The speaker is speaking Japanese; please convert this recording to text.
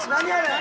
何？